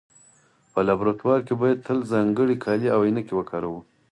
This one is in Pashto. په لابراتوار کې باید تل ځانګړي کالي او عینکې وکاروو.